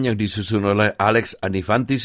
yang disusun oleh alex anivantis